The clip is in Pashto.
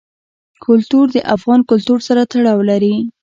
کلتور د افغان کلتور سره تړاو لري.